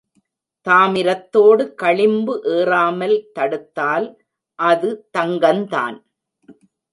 தாமிரத்தோடு களிம்பு ஏறாமல் தடுத்தால் அது தங்கந்தான்.